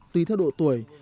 tùy theo độ tuổi